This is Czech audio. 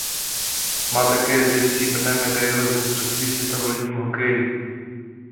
Má také dvě stříbrné medaile z Mistrovství světa v ledním hokeji.